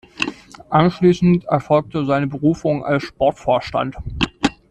Anschließend erfolgte seine Berufung als Sportvorstand.